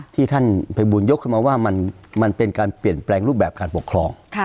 ท่านภัยบูลยกขึ้นมาว่ามันเป็นการเปลี่ยนแปลงรูปแบบการปกครอง